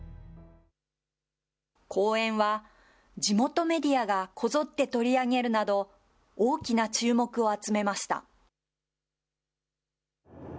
公演は、地元メディアがこぞって取り上げるなど、大きな注目を集めました。